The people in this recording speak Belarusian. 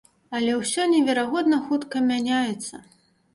Але ўсё неверагодна хутка мяняецца.